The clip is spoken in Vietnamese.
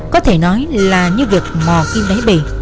có thể nói là như việc mò kim đáy bể